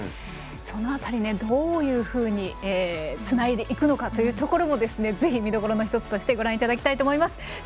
その辺り、どういうふうにつないでいくのかもぜひ、見どころの１つとしてご覧いただきたいと思います。